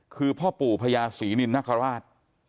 คือพ่อปู่พญาศรีรินรถนักษวรรษ